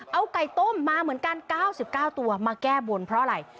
เอาไก่ต้มมาเหมือนกัน๙๙ตัวมาแก้บนเพราะอะไร